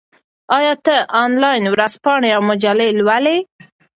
آیا ته انلاین ورځپاڼې او مجلې لولې؟